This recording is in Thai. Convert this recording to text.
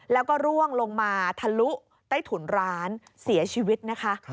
แล้วก็ร่วงลงมาทะลุใต้ถุนร้านเสียชีวิตนะคะ